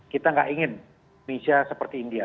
kita nggak ingin indonesia seperti india